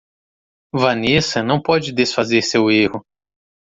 Vanessa não pode desfazer seu erro.